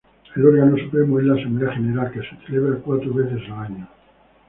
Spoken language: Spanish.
El órgano supremo es la Asamblea General, que se celebra cuatro veces al año.